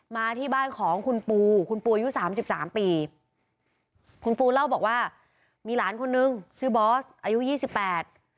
มาที่บ้านของคุณปูคุณปูอายุสามสิบสามปีคุณปูเล่าบอกว่ามีหลานคนนึงชื่อบอสอายุยี่สิบแปด